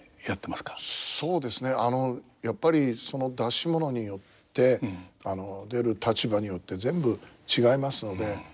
そうですねやっぱりその出し物によって出る立場によって全部違いますので。